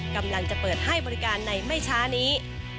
กำลังจะเปิดให้บริการในไม่ช้านี้